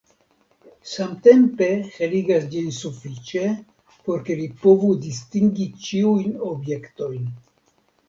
Samtempe heligas ĝin sufiĉe, por ke li povu distingi ĉiujn objektojn.